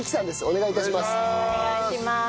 お願いします。